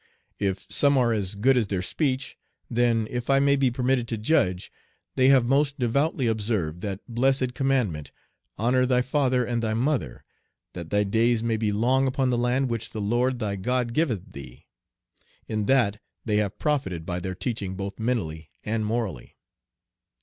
If some are as good as their speech, then, if I may be permitted to judge, they have most devoutly observed that blessed commandment, "Honor thy father and thy mother, that thy days may be long upon the land which the Lord thy God giveth thee," in that they have profited by their teaching both mentally and morally.